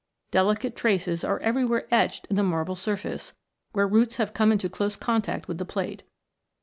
Delicate traces are every where etched in the marble surface, where roots have come into close contact with the plate.